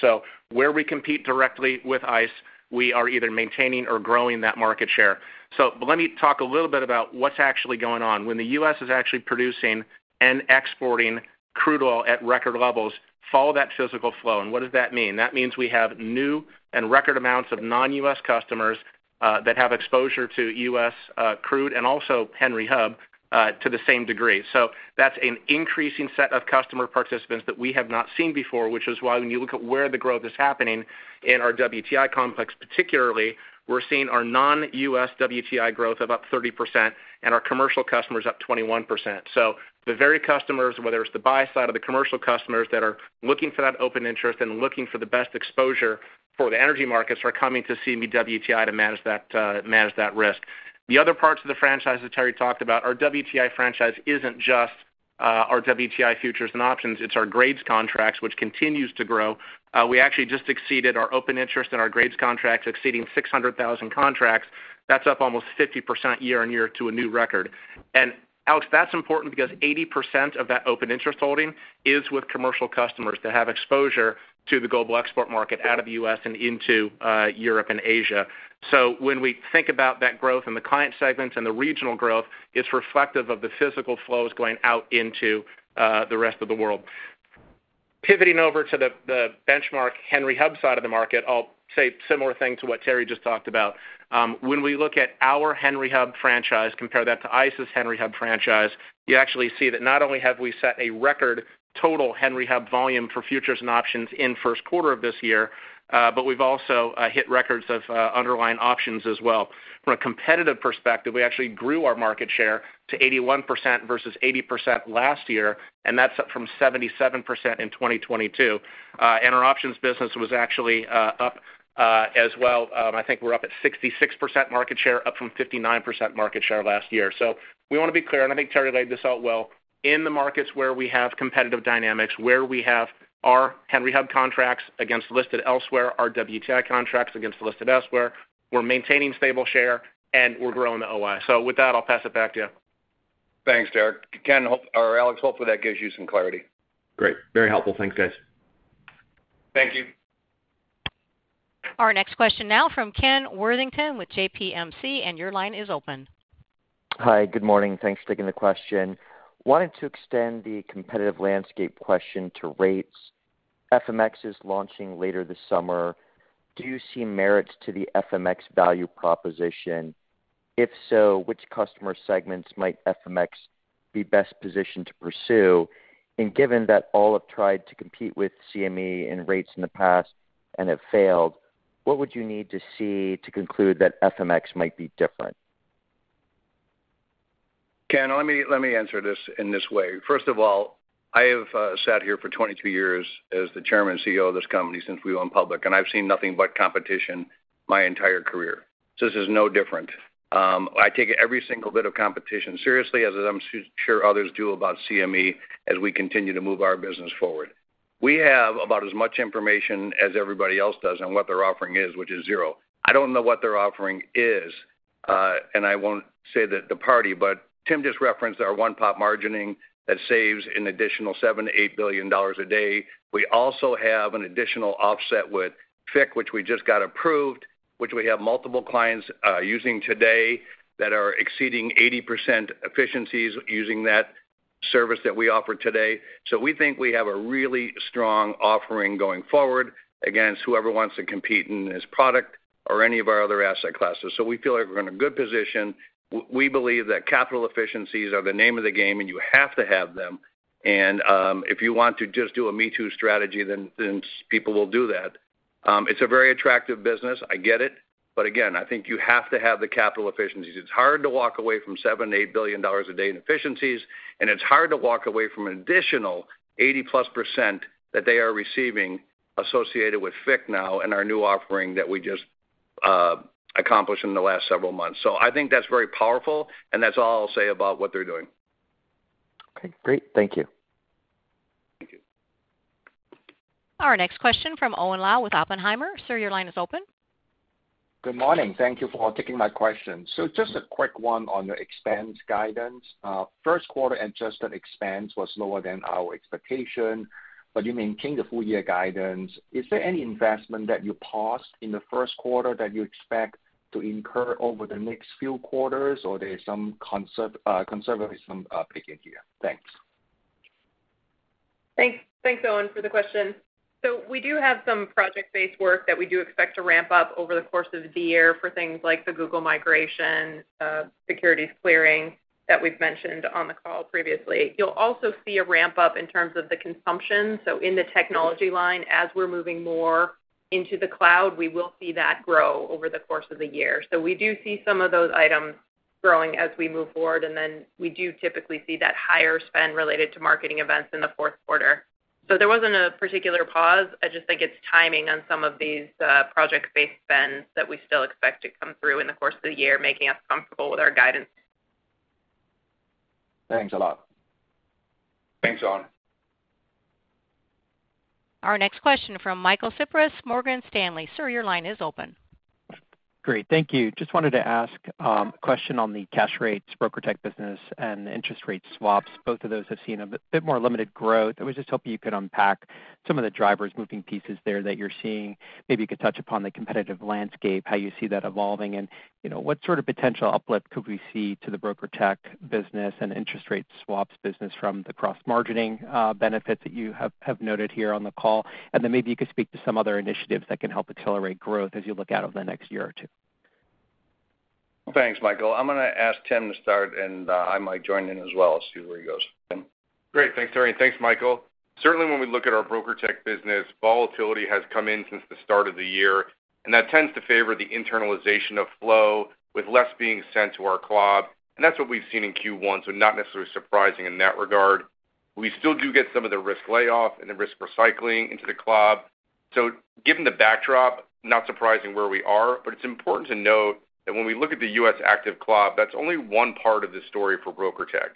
So where we compete directly with ICE, we are either maintaining or growing that market share. So let me talk a little bit about what's actually going on. When the U.S. is actually producing and exporting crude oil at record levels, follow that physical flow, and what does that mean? That means we have new and record amounts of non-US customers that have exposure to US crude and also Henry Hub to the same degree. So that's an increasing set of customer participants that we have not seen before, which is why when you look at where the growth is happening in our WTI complex, particularly, we're seeing our non-US WTI growth of up 30% and our commercial customers up 21%. So the very customers, whether it's the buy side or the commercial customers, that are looking for that open interest and looking for the best exposure for the energy markets, are coming to CME WTI to manage that risk. The other parts of the franchise that Terry talked about, our WTI franchise isn't just our WTI futures and options. It's our grades contracts, which continues to grow. We actually just exceeded our open interest in our grains contracts, exceeding 600,000 contracts. That's up almost 50% year-on-year to a new record. And Alex, that's important because 80% of that open interest holding is with commercial customers that have exposure to the global export market out of the U.S. and into Europe and Asia. So when we think about that growth in the client segments and the regional growth, it's reflective of the physical flows going out into the rest of the world. Pivoting over to the benchmark Henry Hub side of the market, I'll say similar thing to what Terry just talked about. When we look at our Henry Hub franchise, compare that to ICE's Henry Hub franchise, you actually see that not only have we set a record total Henry Hub volume for futures and options in first quarter of this year, but we've also hit records of underlying options as well. From a competitive perspective, we actually grew our market share to 81% versus 80% last year, and that's up from 77% in 2022. Our options business was actually up as well. I think we're up at 66% market share, up from 59% market share last year. We want to be clear, and I think Terry laid this out well, in the markets where we have competitive dynamics, where we have our Henry Hub contracts against listed elsewhere, our WTI contracts against listed elsewhere, we're maintaining stable share, and we're growing the OI. So with that, I'll pass it back to you. Thanks, Derek. Ken or Alex, hopefully that gives you some clarity. Great. Very helpful. Thanks, guys. Thank you. Our next question now from Ken Worthington with JPMC, and your line is open. Hi, good morning. Thanks for taking the question. Wanted to extend the competitive landscape question to rates. FMX is launching later this summer. Do you see merits to the FMX value proposition? If so, which customer segments might FMX be best positioned to pursue? And given that all have tried to compete with CME in rates in the past and have failed, what would you need to see to conclude that FMX might be different? Ken, let me answer this in this way. First of all, I have sat here for 22 years as the Chairman and CEO of this company since we went public, and I've seen nothing but competition my entire career. So this is no different. I take every single bit of competition seriously, as I'm sure others do about CME as we continue to move our business forward. We have about as much information as everybody else does on what their offering is, which is zero. I don't know what their offering is, and I won't say that the party, but Tim just referenced our one-pot margining that saves an additional $7 billion-$8 billion a day. We also have an additional offset with FICC, which we just got approved, which we have multiple clients using today that are exceeding 80% efficiencies using that service that we offer today. So we think we have a really strong offering going forward against whoever wants to compete in this product or any of our other asset classes. So we feel like we're in a good position. We believe that capital efficiencies are the name of the game, and you have to have them. And, if you want to just do a me-too strategy, then people will do that. It's a very attractive business, I get it. But again, I think you have to have the capital efficiencies. It's hard to walk away from $7 billion-$8 billion a day in efficiencies, and it's hard to walk away from an additional 80%+ that they are receiving associated with FICC now and our new offering that we just accomplished in the last several months. So I think that's very powerful, and that's all I'll say about what they're doing. Okay, great. Thank you. Thank you. Our next question from Owen Lau with Oppenheimer. Sir, your line is open. Good morning. Thank you for taking my question. So just a quick one on the expense guidance. First quarter adjusted expense was lower than our expectation, but you maintained the full year guidance. Is there any investment that you paused in the first quarter that you expect to incur over the next few quarters, or there is some conservatism picking here? Thanks. Thanks, thanks, Owen, for the question. So we do have some project-based work that we do expect to ramp up over the course of the year for things like the Google migration, securities clearing that we've mentioned on the call previously. You'll also see a ramp up in terms of the consumption. So in the technology line, as we're moving more into the cloud, we will see that grow over the course of the year. So we do see some of those items growing as we move forward, and then we do typically see that higher spend related to marketing events in the fourth quarter. So there wasn't a particular pause, I just think it's timing on some of these, project-based spends that we still expect to come through in the course of the year, making us comfortable with our guidance. Thanks a lot. Thanks, Owen. Our next question from Michael Cyprys, Morgan Stanley. Sir, your line is open. Great, thank you. Just wanted to ask a question on the cash rates, BrokerTec business, and interest rate swaps. Both of those have seen a bit more limited growth. I was just hoping you could unpack some of the drivers moving pieces there that you're seeing. Maybe you could touch upon the competitive landscape, how you see that evolving, and, you know, what sort of potential uplift could we see to the BrokerTec business and interest rate swaps business from the Cross-Margining benefits that you have noted here on the call? And then maybe you could speak to some other initiatives that can help accelerate growth as you look out over the next year or two. Thanks, Michael. I'm gonna ask Tim to start, and I might join in as well, see where he goes. Tim? Great. Thanks, Terry, and thanks, Michael. Certainly, when we look at our BrokerTec business, volatility has come in since the start of the year, and that tends to favor the internalization of flow, with less being sent to our CLOB. And that's what we've seen in Q1, so not necessarily surprising in that regard. We still do get some of the risk layoff and the risk recycling into the CLOB. So given the backdrop, not surprising where we are, but it's important to note that when we look at the U.S. active CLOB, that's only one part of the story for BrokerTec.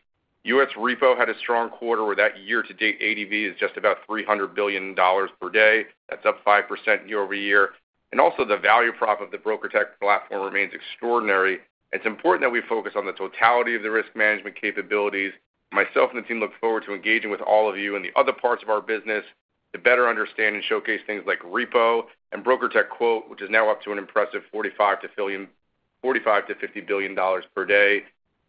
U.S. repo had a strong quarter, where that year-to-date ADV is just about $300 billion per day. That's up 5% year-over-year. And also, the value prop of the BrokerTec platform remains extraordinary. It's important that we focus on the totality of the risk management capabilities. Myself and the team look forward to engaging with all of you in the other parts of our business to better understand and showcase things like repo and BrokerTec Quote, which is now up to an impressive $45-$50 billion per day.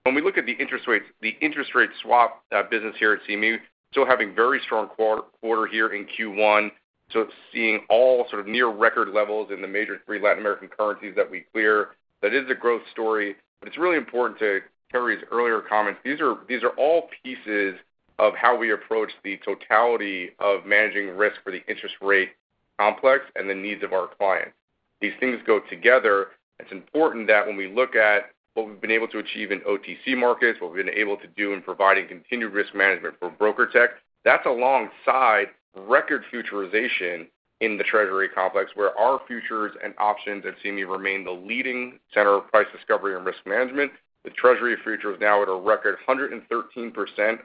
When we look at the interest rates, the interest rate swap business here at CME, still having very strong quarter here in Q1. So seeing all sort of near record levels in the major three Latin American currencies that we clear, that is a growth story. But it's really important to Terry's earlier comments, these are, these are all pieces of how we approach the totality of managing risk for the interest rate complex and the needs of our clients. These things go together. It's important that when we look at what we've been able to achieve in OTC markets, what we've been able to do in providing continued risk management for BrokerTec, that's alongside record futurization in the Treasury complex, where our futures and options at CME remain the leading center of price discovery and risk management. The Treasury future is now at a record 113%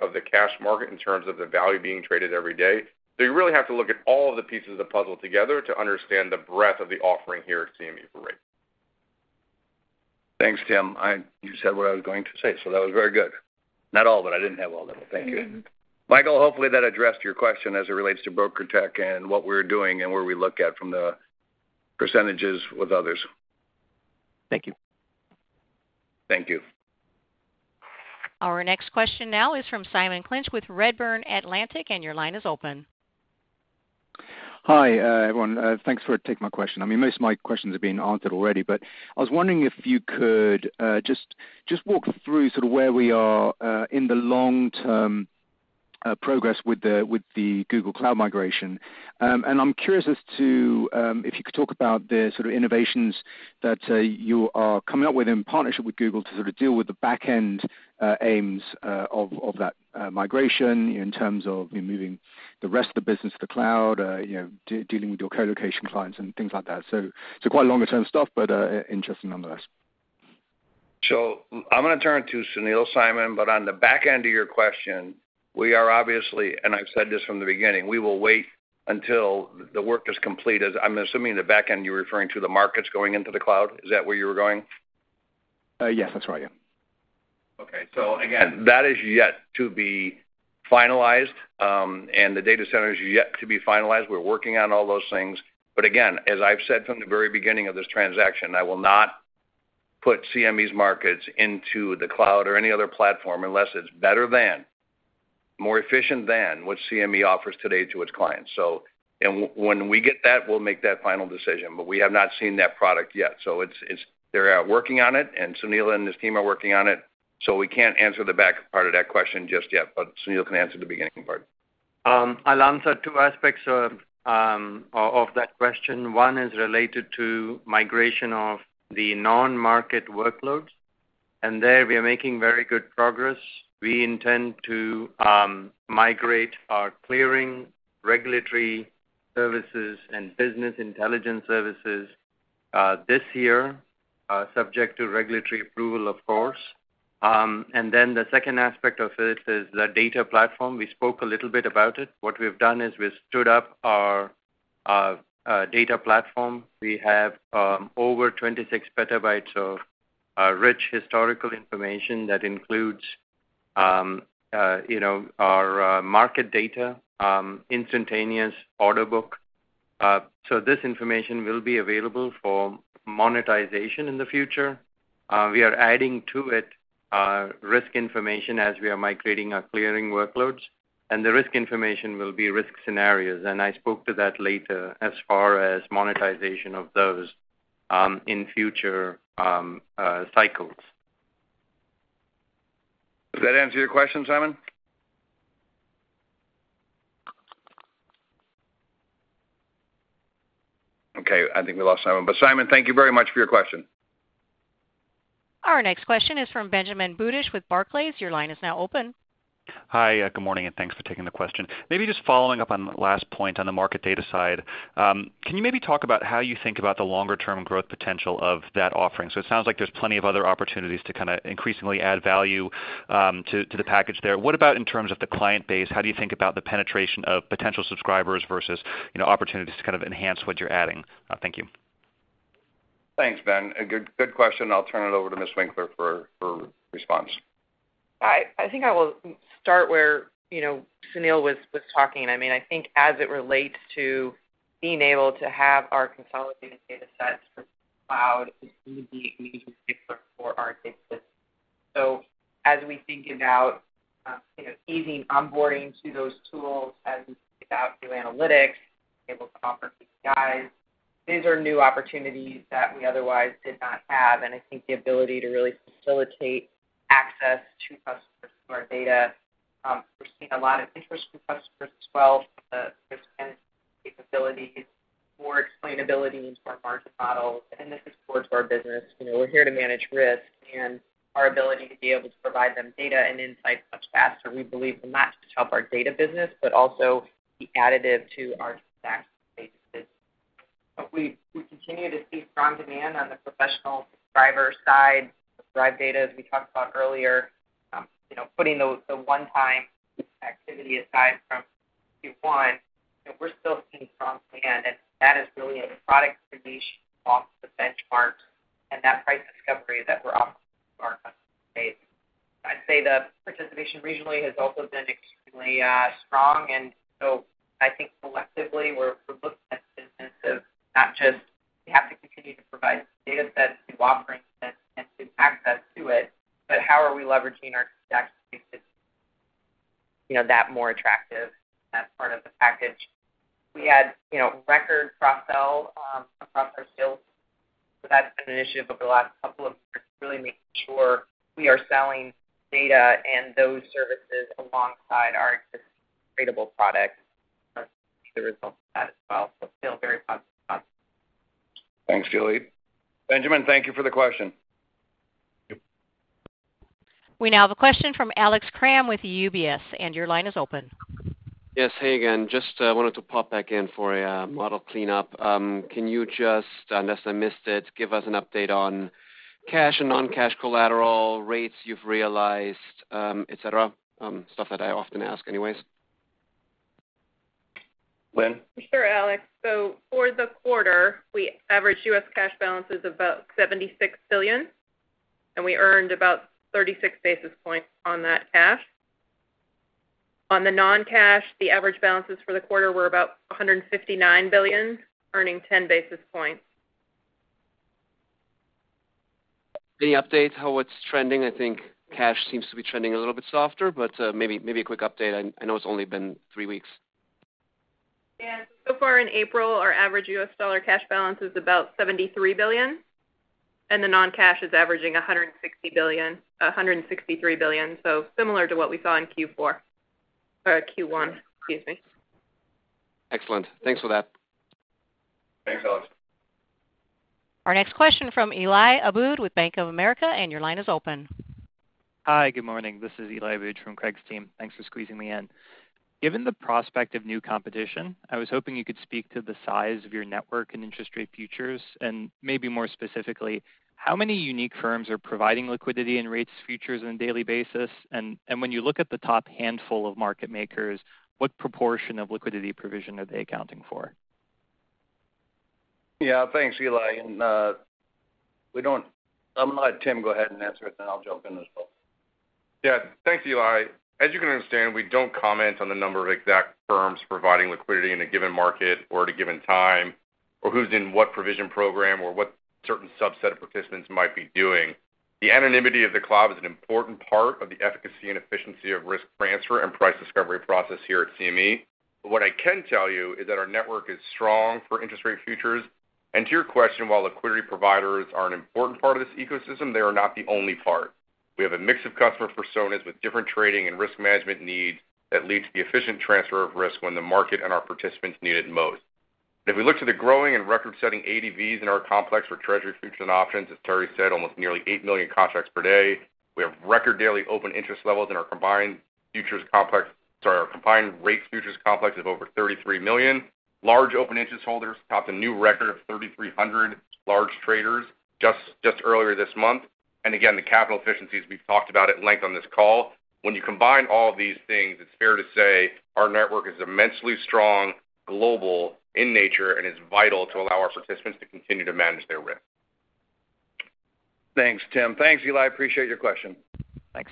of the cash market in terms of the value being traded every day. So you really have to look at all the pieces of the puzzle together to understand the breadth of the offering here at CME for rate. Thanks, Tim. You said what I was going to say, so that was very good. Not all, but I didn't have all of it. Thank you. Michael, hopefully, that addressed your question as it relates to BrokerTec and what we're doing and where we look at from the percentages with others. Thank you. Thank you. Our next question now is from Simon Clinch with Redburn Atlantic, and your line is open. Hi, everyone. Thanks for taking my question. I mean, most of my questions have been answered already, but I was wondering if you could just walk through sort of where we are in the long-term progress with the Google Cloud migration. And I'm curious as to if you could talk about the sort of innovations that you are coming up with in partnership with Google to sort of deal with the back-end aims of that migration in terms of you moving the rest of the business to the cloud, you know, dealing with your colocation clients and things like that. So it's quite longer term stuff, but interesting nonetheless. So, I'm gonna turn to Sunil, Simon, but on the back end of your question, we are obviously, and I've said this from the beginning, we will wait until the work is completed. I'm assuming in the back end, you're referring to the markets going into the cloud. Is that where you were going? Yes, that's right, yeah. Okay, so again, that is yet to be finalized, and the data center is yet to be finalized. We're working on all those things, but again, as I've said from the very beginning of this transaction, I will not put CME's markets into the cloud or any other platform unless it's better than, more efficient than what CME offers today to its clients. So, and when we get that, we'll make that final decision, but we have not seen that product yet. So it's, it's - they're working on it, and Sunil and his team are working on it, so we can't answer the back part of that question just yet, but Sunil can answer the beginning part. I'll answer two aspects of that question. One is related to migration of the non-market workloads, and there we are making very good progress. We intend to migrate our clearing, regulatory services, and business intelligence services this year, subject to regulatory approval, of course. And then the second aspect of this is the data platform. We spoke a little bit about it. What we've done is we've stood up our data platform. We have over 26 petabytes of rich historical information that includes, you know, our market data, instantaneous order book. So this information will be available for monetization in the future. We are adding to it risk information as we are migrating our clearing workloads, and the risk information will be risk scenarios, and I spoke to that later as far as monetization of those in future cycles. Does that answer your question, Simon? Okay, I think we lost Simon, but Simon, thank you very much for your question. Our next question is from Benjamin Budish with Barclays. Your line is now open. Hi, good morning, and thanks for taking the question. Maybe just following up on the last point on the market data side, can you maybe talk about how you think about the longer term growth potential of that offering? So it sounds like there's plenty of other opportunities to kind of increasingly add value, to, to the package there. What about in terms of the client base? How do you think about the penetration of potential subscribers versus, you know, opportunities to kind of enhance what you're adding? Thank you. Thanks, Ben. A good, good question, and I'll turn it over to Ms. Winkler for her response. I think I will start where, you know, Sunil was talking. I mean, I think as it relates to being able to have our consolidated data sets for cloud for our data system. So as we think about, you know, easing onboarding to those tools, as we think about new analytics, able to offer guys, these are new opportunities that we otherwise did not have, and I think the ability to really facilitate access to customers to our data, we're seeing a lot of interest from customers as well. There's kind of capabilities, more explainability into our market models, and this is core to our business. You know, we're here to manage risk and our ability to be able to provide them data and insights much faster. We believe will not just help our data business, but also be additive to our. *audio distortion* But we continue to see strong demand on the professional subscriber side, derived data, as we talked about earlier. You know, putting the one-time activity aside from Q1, and we're still seeing strong demand, and that is really a product creation off the benchmark and that price discovery that we're offering to our customer base. I'd say the participation regionally has also been extremely strong, and so I think selectively, we're looking at instances of not just, we have to continue to provide data sets to offering and to access to it, but how are we leveraging our, *audio distortion* you know, that more attractive as part of the package? We had, you know, record cross-sell across our sales, so that's been an issue over the last couple of years, really making sure we are selling data and those services alongside our existing tradable products. The results of that as well, so still very positive. Thanks, Julie. Benjamin, thank you for the question. Thank you. We now have a question from Alex Kramm with UBS, and your line is open. Yes, hey again. Just, wanted to pop back in for a, model cleanup. Can you just, unless I missed it, give us an update on cash and non-cash collateral rates you've realized, et cetera? Stuff that I often ask anyways. Lynne? Sure, Alex. So for the quarter, we averaged US cash balances of about $76 billion, and we earned about 36 basis points on that cash. On the non-cash, the average balances for the quarter were about $159 billion, earning 10 basis points. Any update how it's trending? I think cash seems to be trending a little bit softer, but maybe, maybe a quick update. I know it's only been three weeks. Yeah. So far in April, our average US dollar cash balance is about $73 billion, and the non-cash is averaging $163 billion. So similar to what we saw in Q4, or Q1, excuse me. Excellent. Thanks for that. Thanks, Alex. Our next question from Eli Abboud with Bank of America, and your line is open. Hi, good morning. This is Eli Abboud from Craig's team. Thanks for squeezing me in. Given the prospect of new competition, I was hoping you could speak to the size of your network and interest rate futures, and maybe more specifically, how many unique firms are providing liquidity and rates futures on a daily basis? And when you look at the top handful of market makers, what proportion of liquidity provision are they accounting for? Yeah, thanks, Eli, and we don't. I'm gonna let Tim go ahead and answer it, then I'll jump in as well. Yeah. Thanks, Eli. As you can understand, we don't comment on the number of exact firms providing liquidity in a given market or at a given time, or who's in what provision program, or what certain subset of participants might be doing. The anonymity of the CLOB is an important part of the efficacy and efficiency of risk transfer and price discovery process here at CME. But what I can tell you is that our network is strong for interest rate futures. And to your question, while liquidity providers are an important part of this ecosystem, they are not the only part. We have a mix of customer personas with different trading and risk management needs that lead to the efficient transfer of risk when the market and our participants need it most. If we look to the growing and record-setting ADVs in our complex for treasury, futures, and options, as Terry said, almost nearly 8 million contracts per day. We have record daily open interest levels in our combined futures complex, sorry, our combined rates futures complex of over 33 million. Large open interest holders topped a new record of 3,300 large traders just earlier this month. And again, the capital efficiencies we've talked about at length on this call. When you combine all of these things, it's fair to say our network is immensely strong, global in nature, and is vital to allow our participants to continue to manage their risk. Thanks, Tim. Thanks, Eli. Appreciate your question. Thanks.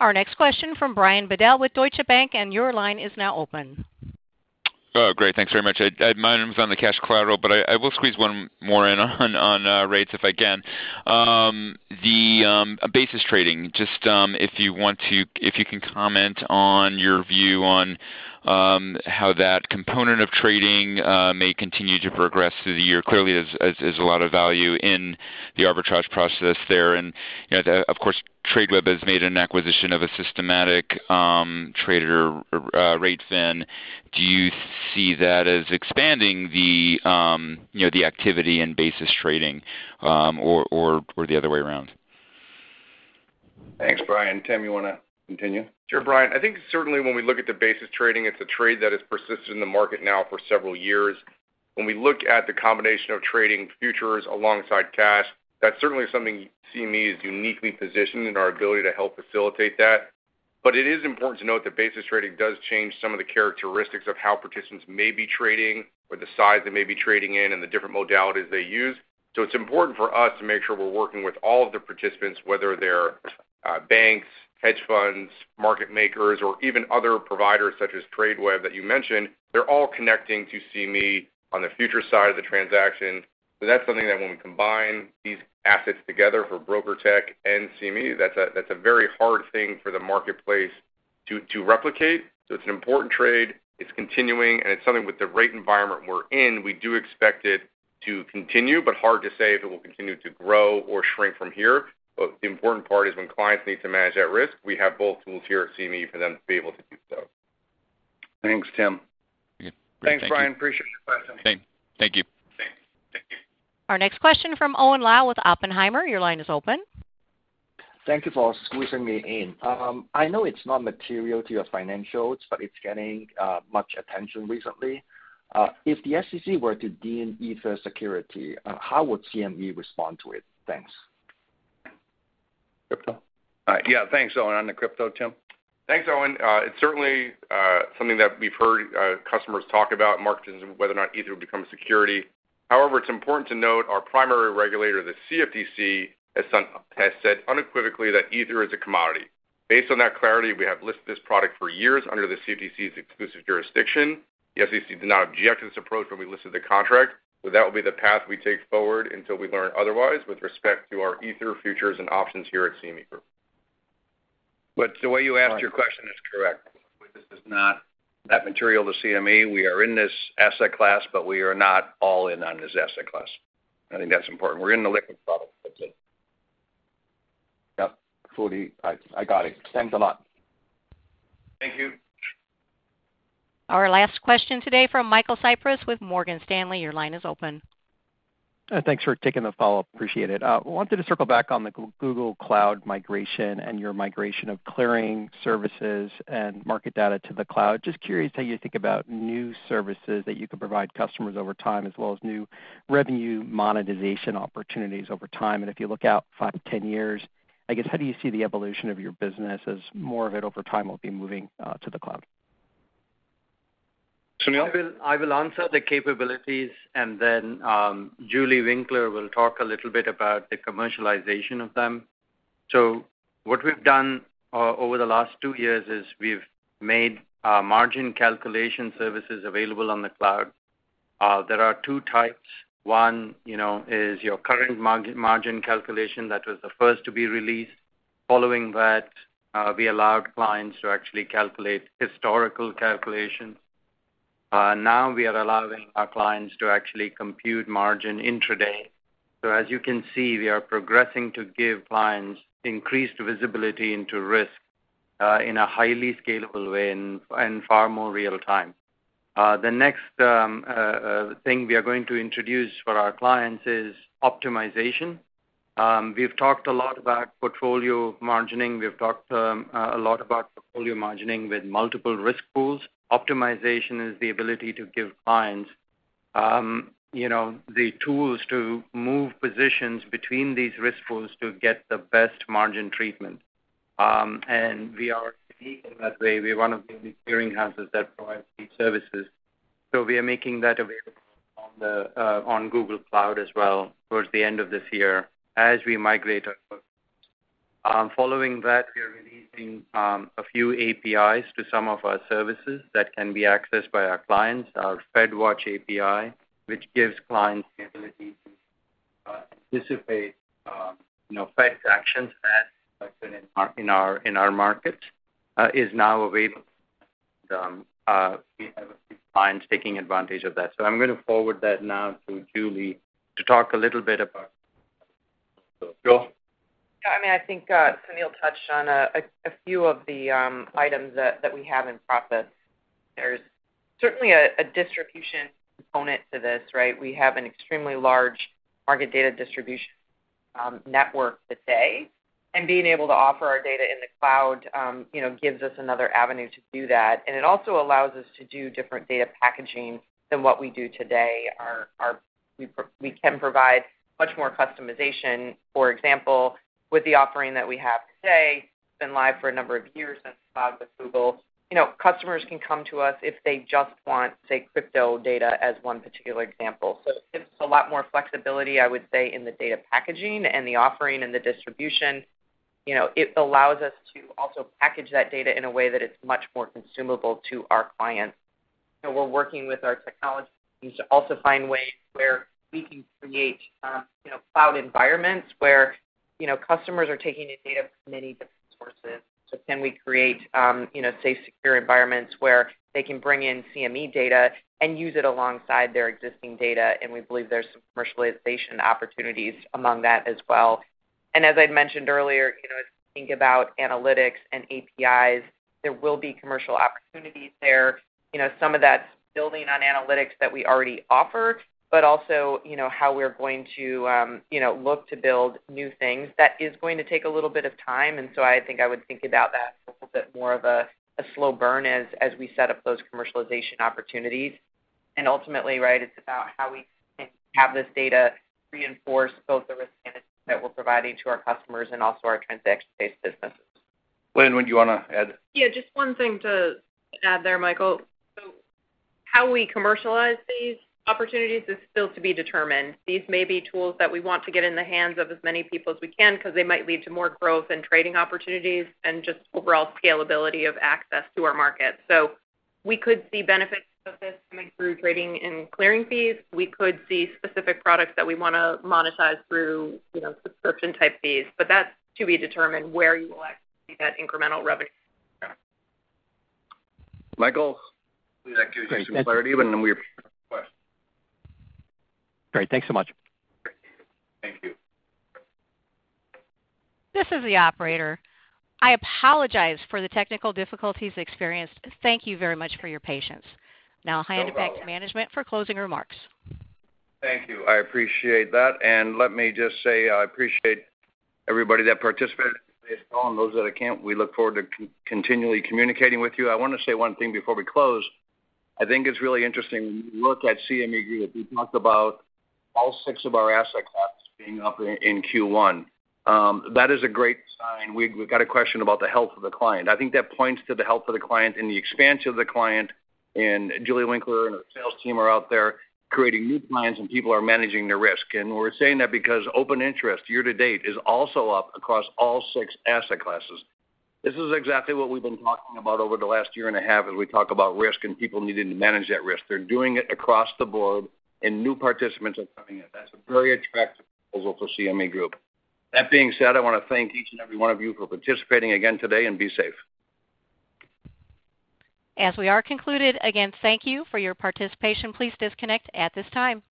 Our next question from Brian Bedell with Deutsche Bank, and your line is now open. Oh, great. Thanks very much. Mine was on the cash collateral, but I will squeeze one more in on rates if I can. The basis trading, just if you want to if you can comment on your view on how that component of trading may continue to progress through the year. Clearly, there's a lot of value in the arbitrage process there. And, you know, of course, Tradeweb has made an acquisition of a systematic trader, r8fin. Do you see that as expanding the activity and basis trading or the other way around? Thanks, Brian. Tim, you want to continue? Sure, Brian. I think certainly when we look at the basis trading, it's a trade that has persisted in the market now for several years. When we look at the combination of trading futures alongside cash, that's certainly something CME is uniquely positioned in our ability to help facilitate that. But it is important to note that basis trading does change some of the characteristics of how participants may be trading, or the size they may be trading in, and the different modalities they use. So it's important for us to make sure we're working with all of the participants, whether they're banks, hedge funds, market makers, or even other providers such as Tradeweb, that you mentioned. They're all connecting to CME on the futures side of the transaction. So that's something that when we combine these assets together for BrokerTec and CME, that's a very hard thing for the marketplace to replicate. So it's an important trade, it's continuing, and it's something with the rate environment we're in, we do expect it to continue, but hard to say if it will continue to grow or shrink from here. But the important part is when clients need to manage that risk, we have both tools here at CME for them to be able to do so. Thanks, Tim. Okay. Thanks, Brian. Appreciate your question. Thank you. Thanks. Thank you. Our next question from Owen Lau with Oppenheimer. Your line is open. Thank you for squeezing me in. I know it's not material to your financials, but it's getting much attention recently. If the SEC were to deem Ether a security, how would CME respond to it? Thanks. Crypto? Yeah, thanks, Owen. On the crypto, Tim. Thanks, Owen. It's certainly something that we've heard customers talk about in markets and whether or not Ether will become a security. However, it's important to note our primary regulator, the CFTC, has said unequivocally that Ether is a commodity. Based on that clarity, we have listed this product for years under the CFTC's exclusive jurisdiction. The SEC did not object to this approach when we listed the contract, so that will be the path we take forward until we learn otherwise with respect to our Ether futures and options here at CME Group. But the way you asked your question is correct. This is not that material to CME. We are in this asset class, but we are not all in on this asset class. I think that's important. We're in the liquid product, that's it. Yep, fully. I, I got it. Thanks a lot. Thank you. Our last question today from Michael Cyprys with Morgan Stanley. Your line is open. Thanks for taking the follow-up. Appreciate it. Wanted to circle back on the Google Cloud migration and your migration of clearing services and market data to the cloud. Just curious how you think about new services that you could provide customers over time, as well as new revenue monetization opportunities over time. If you look out 5-10 years, I guess, how do you see the evolution of your business as more of it over time will be moving to the cloud? Sunil? I will answer the capabilities, and then Julie Winkler will talk a little bit about the commercialization of them. So what we've done over the last two years is we've made margin calculation services available on the cloud. There are two types. One, you know, is your current margin calculation, that was the first to be released. Following that, we allowed clients to actually calculate historical calculations. Now we are allowing our clients to actually compute margin intraday. So as you can see, we are progressing to give clients increased visibility into risk in a highly scalable way and far more real time. The next thing we are going to introduce for our clients is optimization. We've talked a lot about Portfolio Margining. We've talked a lot about portfolio margining with multiple risk pools. Optimization is the ability to give clients you know the tools to move positions between these risk pools to get the best margin treatment. We are unique in that way. We're one of the only clearinghouses that provides these services. So we are making that available on Google Cloud as well, towards the end of this year, as we migrate our. Following that, we are releasing a few APIs to some of our services that can be accessed by our clients. Our FedWatch API, which gives clients the ability to anticipate you know Fed's actions that in our market, is now available. We have a few clients taking advantage of that. So, I'm gonna forward that now to Julie to talk a little bit about— Julie? I mean, I think, Sunil touched on a few of the items that we have in process. There's certainly a distribution component to this, right? We have an extremely large market data distribution network today, and being able to offer our data in the cloud, you know, gives us another avenue to do that. And it also allows us to do different data packaging than what we do today. We can provide much more customization. For example, with the offering that we have today, it's been live for a number of years since Google Cloud. You know, customers can come to us if they just want, say, crypto data as one particular example. So it gives us a lot more flexibility, I would say, in the data packaging and the offering and the distribution. You know, it allows us to also package that data in a way that it's much more consumable to our clients. So we're working with our technology teams to also find ways where we can create, you know, cloud environments where, you know, customers are taking in data from many different sources. So can we create, you know, safe, secure environments where they can bring in CME data and use it alongside their existing data? And we believe there's some commercialization opportunities among that as well. And as I'd mentioned earlier, you know, as we think about analytics and APIs, there will be commercial opportunities there. You know, some of that's building on analytics that we already offer, but also, you know, how we're going to, you know, look to build new things. That is going to take a little bit of time, and so I think I would think about that as a little bit more of a slow burn as we set up those commercialization opportunities. And ultimately, right, it's about how we can have this data reinforce both the risk that we're providing to our customers and also our transaction-based businesses. Lynne, would you wanna add? Yeah, just one thing to add there, Michael. So how we commercialize these opportunities is still to be determined. These may be tools that we want to get in the hands of as many people as we can, 'cause they might lead to more growth and trading opportunities and just overall scalability of access to our market. So we could see benefits of this coming through trading and clearing fees. We could see specific products that we wanna monetize through, you know, subscription-type fees, but that's to be determined where you will actually see that incremental revenue. Got it. Michael, please give us some clarity, and then we appreciate your request. Great. Thanks so much. Thank you. Thank you. This is the operator. I apologize for the technical difficulties experienced. Thank you very much for your patience. Now I'll hand it back to management for closing remarks. Thank you. I appreciate that, and let me just say, I appreciate everybody that participated on today's call, and those that I can't, we look forward to continually communicating with you. I wanna say one thing before we close. I think it's really interesting when you look at CME Group, we talked about all six of our asset classes being up in Q1. That is a great sign. We've got a question about the health of the client. I think that points to the health of the client and the expansion of the client, and Julie Winkler and her sales team are out there creating new clients, and people are managing their risk. And we're saying that because open interest year to date is also up across all six asset classes. This is exactly what we've been talking about over the last year and a half as we talk about risk and people needing to manage that risk. They're doing it across the board, and new participants are coming in. That's a very attractive proposal for CME Group. That being said, I wanna thank each and every one of you for participating again today, and be safe. As we are concluded, again, thank you for your participation. Please disconnect at this time.